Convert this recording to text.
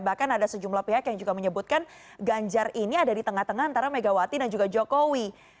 bahkan ada sejumlah pihak yang juga menyebutkan ganjar ini ada di tengah tengah antara megawati dan juga jokowi